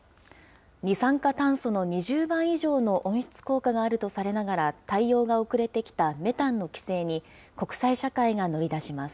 二酸化炭素の２０倍以上の温室効果があるとされながら対応が遅れてきたメタンの規制に、国際社会が乗り出します。